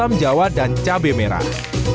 kunci asam jawa dan cabai merah